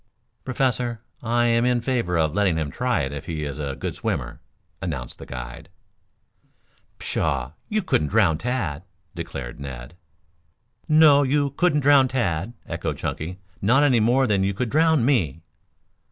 "Professor, I am in favor of letting him try it if he is a good swimmer," announced the guide. "Pshaw, you couldn't drown Tad," declared Ned. "No, you couldn't drown Tad," echoed Chunky. "Not any more than you could drown me."